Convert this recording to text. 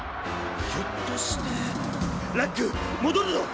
ひょっとしてラックもどるぞ！